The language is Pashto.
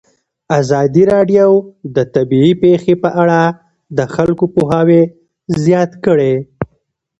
ازادي راډیو د طبیعي پېښې په اړه د خلکو پوهاوی زیات کړی.